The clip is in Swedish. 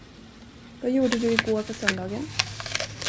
Vad gjorde du i går på söndagen?